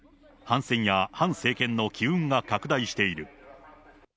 反戦や反政権の機運が拡大している。